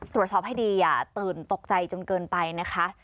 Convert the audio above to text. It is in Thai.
ตรวจสอบให้ดีอย่าตื่นตกใจจนเกินไปนะคะ